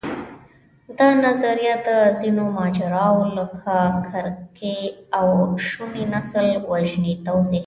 دا نظریه د ځینو ماجراوو، لکه کرکې او شونې نسلوژنې توضیح کوي.